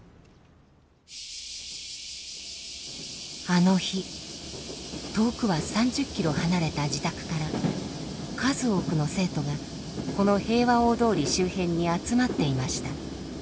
あの日遠くは３０ｋｍ離れた自宅から数多くの生徒がこの平和大通り周辺に集まっていました。